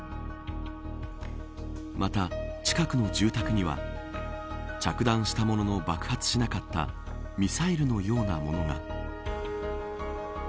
また、近くの住宅には着弾したものの爆発しなかったミサイルのようなものが。